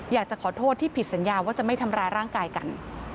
อยากจะขอโทษที่ผิดสัญญาว่าจะไม่ทำร้ายร่างกายกัน